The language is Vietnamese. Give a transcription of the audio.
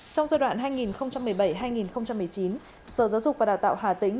trong giai đoạn hai nghìn một mươi bảy hai nghìn một mươi chín sở giáo dục và đào tạo hà tĩnh